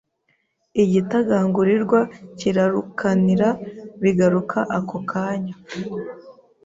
Igitagangurirwa kirarukanira, bigaruka ako kanya